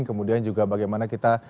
kemudian juga bagaimana kita